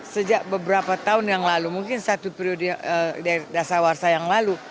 sejak beberapa tahun yang lalu mungkin satu periode dari dasar warsa yang lalu